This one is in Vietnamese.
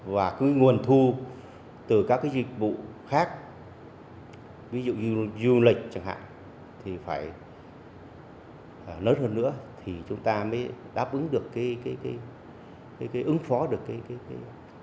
và cái nguồn thu từ các cái dịch vụ khác ví dụ du lịch chẳng hạn thì phải lớn hơn nữa thì chúng ta mới đáp ứng được cái cái cái cái cái ứng phó được cái cái cái